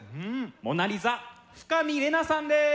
モナ・リザ深見玲奈さんです。